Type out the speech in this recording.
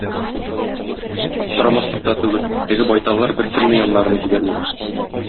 Аптырамаслык та түгел, теге байталлар беркемне яннарына җибәрмиләр.